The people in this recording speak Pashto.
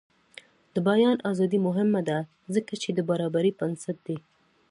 د بیان ازادي مهمه ده ځکه چې د برابرۍ بنسټ دی.